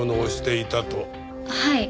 はい。